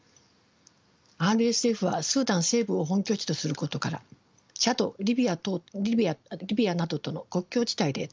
ＲＳＦはスーダン西部を本拠地とすることからチャドリビアなどとの国境地帯で強い勢力を有してきました。